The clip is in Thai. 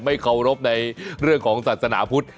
เคารพในเรื่องของศาสนาพุทธ